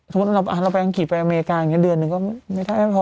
สมมุติเราไปอังกฤษไปอเมริกาเดือนหนึ่งก็ไม่ได้พอ